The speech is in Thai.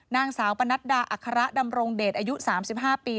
นางสาวปนัดดาอัคระดำรงเดชอายุ๓๕ปี